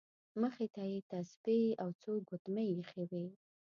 مخې ته یې تسبیح او څو ګوتمۍ ایښې وې.